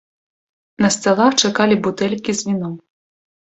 На сталах чакалі бутэлькі з віном.